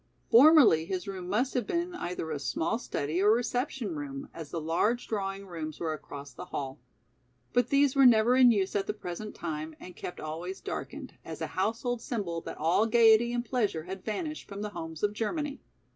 Formerly his room must have been either a small study or reception room, as the large drawing rooms were across the hall. But these were never in use at the present time and kept always darkened, as a household symbol that all gayety and pleasure had vanished from the homes of Germany.